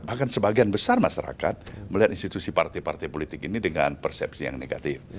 bahkan sebagian besar masyarakat melihat institusi partai partai politik ini dengan persepsi yang negatif